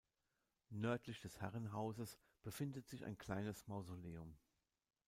Nördlich des Herrenhauses befindet sich ein kleines Mausoleum.